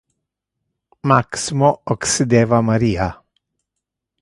Maximo occideva Maria.